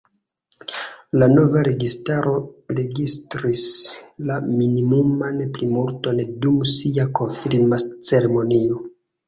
La nova registaro registris la minimuman plimulton dum sia konfirma ceremonio.